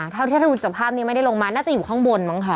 เท่าที่ถ้าดูจากภาพนี้ไม่ได้ลงมาน่าจะอยู่ข้างบนมั้งคะ